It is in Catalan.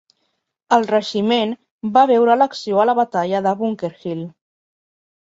El regiment va veure l'acció a la batalla de Bunker Hill.